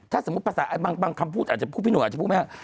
ถ้าสมมุติภาษาบางคำพูดอาจจะพูดพี่หนุ่มอาจจะพูดไม่ได้